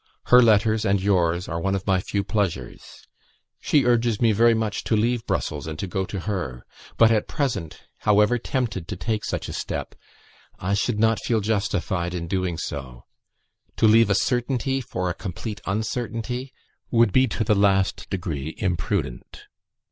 Her letters and yours are one of my few pleasures. She urges me very much to leave Brussels and go to her; but, at present, however tempted to take such a step, I should not feel justified in doing so. To leave a certainty for a complete uncertainty, would be to the last degree imprudent.